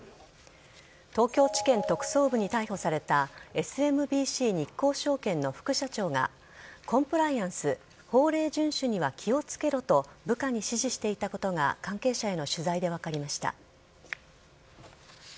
東京地検特捜部に逮捕されたＳＭＢＣ日興証券の副社長が、コンプライアンス・法令順守には気をつけろと、部下に指示していたことが関係者への取材で分かりました。